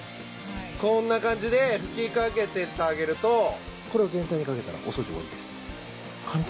こんな感じで吹きかけてってあげるとこれを全体にかけたらお掃除終わりです。